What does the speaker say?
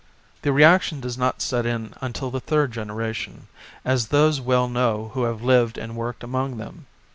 The reaction does not set in until the third generation, as those well know who have lived and worked among them.